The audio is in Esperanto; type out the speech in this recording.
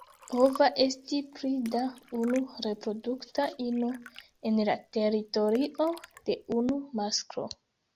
Pova esti pli da unu reprodukta ino en la teritorio de unu masklo.